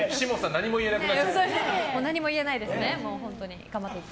何も言えないです。